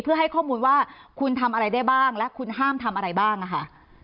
เพื่อให้ข้อมูลว่าคุณทำอะไรได้บ้างและคุณห้ามทำอะไรบ้างนะคะ